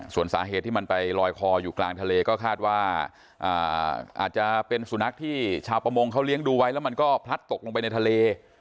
ส่วนสาเหตุที่มันไปลอยคออยู่กลางทะเลก็คาดว่าอาจจะเป็นสุนัขที่ชาวประมงเขาเลี้ยงดูไว้แล้วมันก็พลัดตกลงไปในทะเล